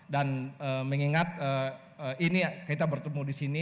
dan mengingat ini kita bertemu di sini